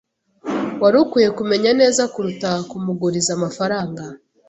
Wari ukwiye kumenya neza kuruta kumuguriza amafaranga.